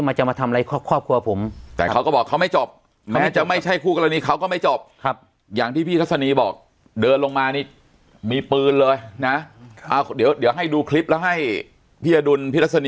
มันจะมาทำอะไรครอบครัวผม